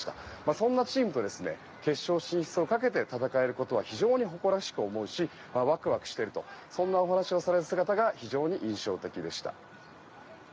そんなチームと決勝進出をかけて戦えることは非常に誇らしく思うしワクワクしているとそんなお話をされる姿が非常に印象的でした。